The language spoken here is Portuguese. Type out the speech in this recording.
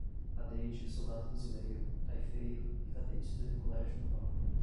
Cadete, Soldado Fuzileiro, Taifeiro e cadetes do Colégio Naval